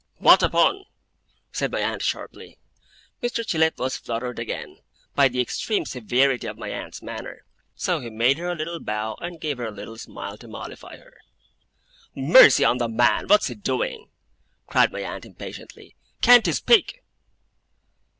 'What upon?' said my aunt, sharply. Mr. Chillip was fluttered again, by the extreme severity of my aunt's manner; so he made her a little bow and gave her a little smile, to mollify her. 'Mercy on the man, what's he doing!' cried my aunt, impatiently. 'Can't he speak?